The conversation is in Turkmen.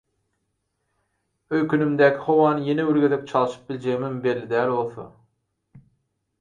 Öýkenimdäki howany ýene bir gezek çalşyp biljegimem belli däl bolsa…